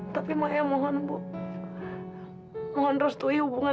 sampai jumpa di video selanjutnya